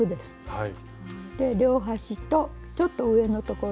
はい。